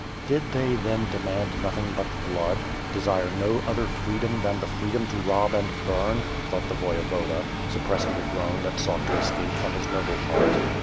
Did they then demand nothing but blood, desire no other freedom than the freedom to rob and bum, thought the Voye voda, suppressing the groan that sought to escape from his noble heart.